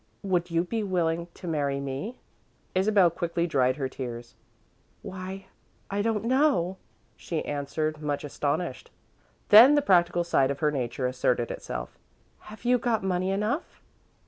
"Would you be willing to marry me?" Isabel quickly dried her tears. "Why, I don't know," she answered, much astonished. Then the practical side of her nature asserted itself. "Have you got money enough?"